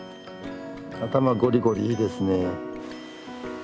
頭ゴリゴリいいですね。